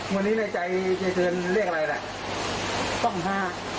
วันนี้ในใจเจริญเรียกอะไรละ